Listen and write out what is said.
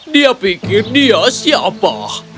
dia pikir dia siapa